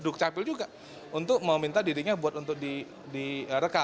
dan juga ke dukcapil juga untuk meminta dirinya buat untuk direkam